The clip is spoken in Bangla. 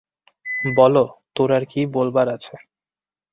বল, তোর আর কি বলবার আছে।